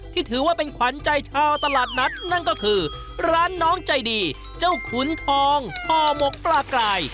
ถือว่าเป็นขวัญใจชาวตลาดนัดนั่นก็คือร้านน้องใจดีเจ้าขุนทองห่อหมกปลากลาย